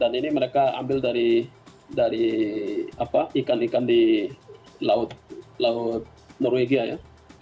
dan ini mereka ambil dari ikan ikan di laut norwegia ya